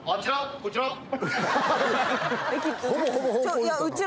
こちら？